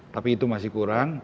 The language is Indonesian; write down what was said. tapi itu masih kurang